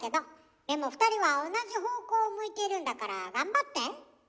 でも２人は同じ方向を向いているんだから頑張って。